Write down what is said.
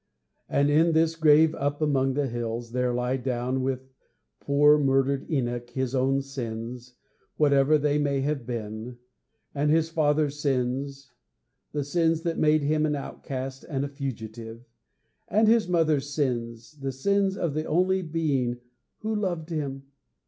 And, in this grave up among the hills, there lie down with poor murdered Enoch his own sins whatever they may have been and his father's sins the sins that made him an outcast and a fugitive and his mother's sins, the sins of the only being who loved him!